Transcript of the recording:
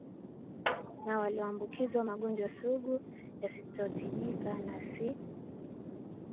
na walioambukizwa magonjwa sugu yasiotibika na si